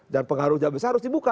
dan pengaruhnya besar harus dibuka